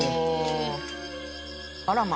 あらま。